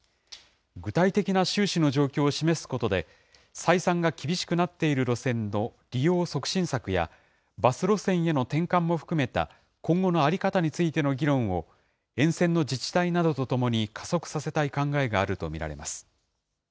具体的な収支の状況を示すことで採算が厳しくなっている路線の利用促進策や、バス路線への転換も含めた今後の在り方についての議論を沿線の自治体などとともに加速させたい考えがあると見られます。